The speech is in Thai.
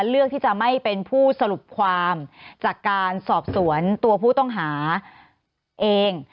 เลือกที่จะไม่เป็นผู้สรุปความจากการสอบสวนตัวผู้ต้องหาเอง